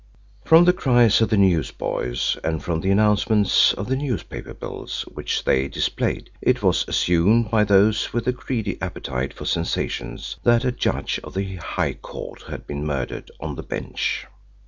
From the cries of the news boys and from the announcements on the newspaper bills which they displayed, it was assumed by those with a greedy appetite for sensations that a judge of the High Court had been murdered on the bench.